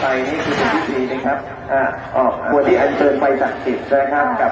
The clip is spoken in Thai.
พีทีเฮลเคร่งขาใสนี่แหละครับ